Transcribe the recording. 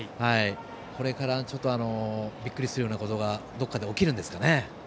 これからびっくりするようなことがどこかで起きるんですかね。